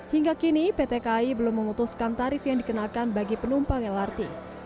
hingga kini pt kai belum memutuskan tarif yang dikenakan bagi penumpang lrt